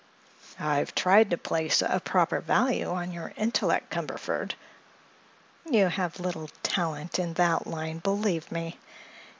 "I've tried to place a proper value on your intellect, Cumberford." "You have little talent in that line, believe me.